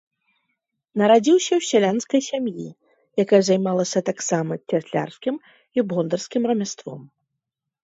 Нарадзіўся ў сялянскай сям'і, якая займалася таксама цяслярскім і бондарскім рамяством.